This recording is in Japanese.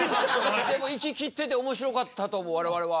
でもいききってておもしろかったと思う我々は。